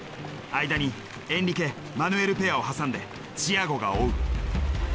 間にエンリケマヌエルペアを挟んでチアゴが追う。